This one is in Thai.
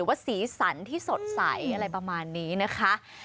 ว่าสีสันที่สดใสอะไรประมาณนี้นะคะ